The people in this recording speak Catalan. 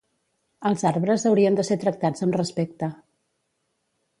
Els arbres haurien de ser tractats amb respecte.